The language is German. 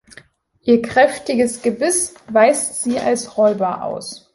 Ihr kräftiges Gebiss weist sie als Räuber aus.